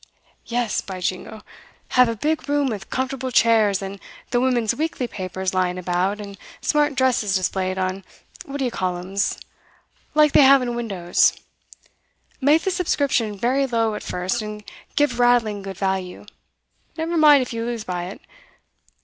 Yes, by jingo! Have a big room, with comfortable chairs, and the women's weekly papers lying about, and smart dresses displayed on what d'ye call 'ems, like they have in windows. Make the subscription very low at first, and give rattling good value; never mind if you lose by it.